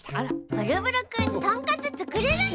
ブルブルくんトンカツつくれるの？